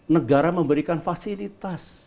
negara memberikan fasilitas